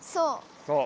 そう。